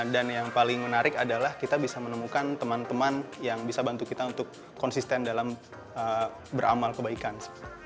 dan yang paling menarik adalah kita bisa menemukan teman teman yang bisa bantu kita untuk konsisten dalam beramal kebaikan